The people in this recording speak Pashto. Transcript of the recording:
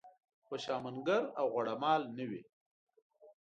خوشامنګر او غوړه مال نه وي.